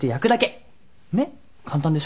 ねっ簡単でしょ？